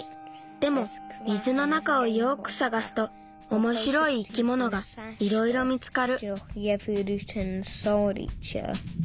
でも水の中をよくさがすとおもしろい生き物がいろいろ見つかる。